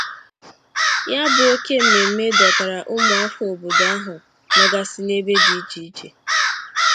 Ya bụ óké mmemme dọtàrà ụmụafọ obodo ahụ nọgasị n'ebe dị icheiche